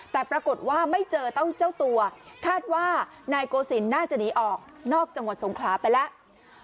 แต่ปรากฏว่าไม่เจอต้องเจ้าตัวคาดว่านายโกศิลป์น่าจะหนีออกนอกจังหวัดสงขลาไปแล้ว